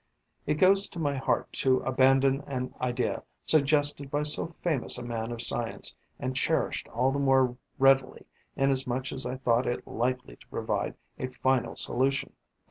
It goes to my heart to abandon an idea suggested by so famous a man of science and cherished all the more readily inasmuch as I thought it likely to provide a final solution.